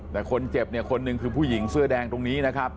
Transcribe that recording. แต่คนเจ็บเนี่ยคนหนึ่งคือผู้หญิงเสื้อแดงตรงนี้นะครับ